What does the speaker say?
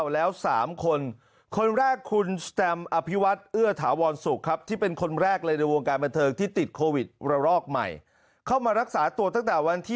แล้ว๓คนคนแรกคุณสตรัม